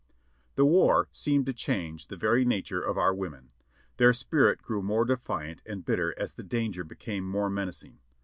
684 ■ JOHNNY RKB AxXD BILLY YANK The war seemed to change the very nature of our women. Their spirit grew more defiant and bitter as the danger became more men acing.